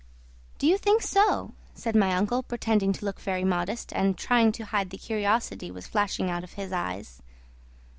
"Do you think so?" said my uncle, pretending to look very modest, and trying to hide the curiosity was flashing out of his eyes.